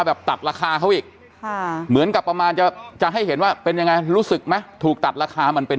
แบบตัดราคาเขาอีกค่ะเหมือนกับประมาณจะจะให้เห็นว่าเป็นยังไงรู้สึกไหมถูกตัดราคามันเป็น